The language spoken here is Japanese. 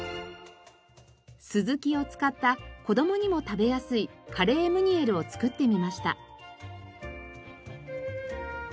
スズキを使った子供にも食べやすいカレームニエルを作ってみました。